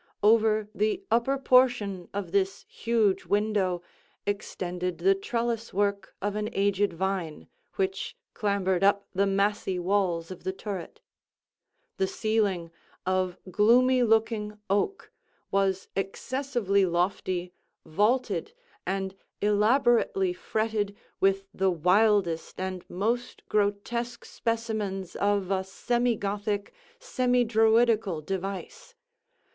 Over the upper portion of this huge window, extended the trellice work of an aged vine, which clambered up the massy walls of the turret. The ceiling, of gloomy looking oak, was excessively lofty, vaulted, and elaborately fretted with the wildest and most grotesque specimens of a semi Gothic, semi Druidical device.